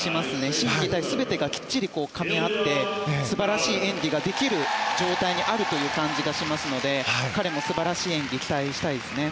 心技体全てがきっちりかみ合って素晴らしい演技ができる状態にあるという感じがしますので彼も素晴らしい演技を期待したいですね。